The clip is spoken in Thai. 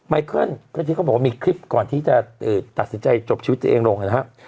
ไมเคิลก็ที่เขาบอกว่ามีคลิปก่อนที่จะตัดสินใจจบชีวิตตัวเองลงนะครับ